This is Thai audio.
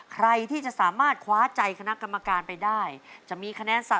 ใครที่จะสามารถคว้าใจคณะกรรมการไปได้